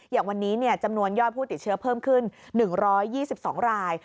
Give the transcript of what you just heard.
อย่างวันนี้จำนวนยอดผู้ติดเชื้อเพิ่มขึ้น๑๒๒ราย